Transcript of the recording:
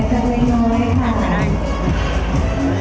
ขอบคุณครับ